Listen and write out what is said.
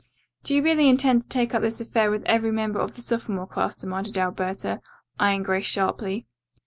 "Do you really intend to take up this affair with every member of the sophomore class?" demanded Alberta, eyeing Grace sharply.